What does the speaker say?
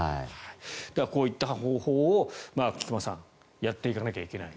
こういった方法を菊間さんやっていかなきゃいけない。